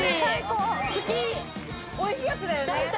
おいしいやつだよね。